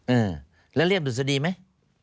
เออแล้วเรียบดุษฎีไหม